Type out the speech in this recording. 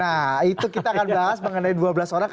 nah itu kita akan bahas mengenai dua belas orang